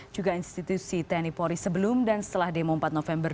juga institusi tni polri sebelum dan setelah demo empat november